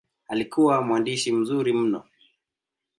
Alikuwa mwandishi mzuri mno.